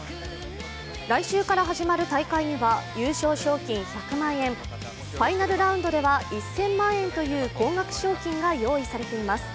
来週から始まる大会には、優勝賞金１００万円、ファイナルラウンドでは１０００万円という高額賞金が用意されています。